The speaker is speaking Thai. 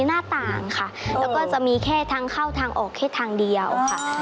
แล้วก็จะมีแค่ทางเข้าทางออกแค่ทางเดียวค่ะ